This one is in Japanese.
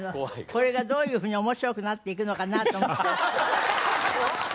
これがどういうふうに面白くなっていくのかなと思って。